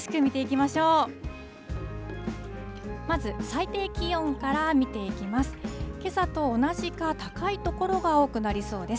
まず最低気温から見ていきます。